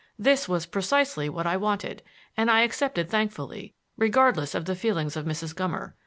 This was precisely what I wanted, and I accepted thankfully, regardless of the feelings of Mrs. Gummer.